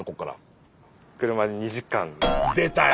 出たよ。